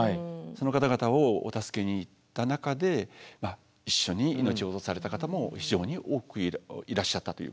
その方々をお助けに行った中で一緒に命を落とされた方も非常に多くいらっしゃったということ。